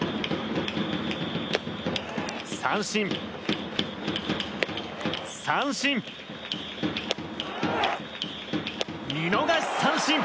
三振、三振、見逃し三振。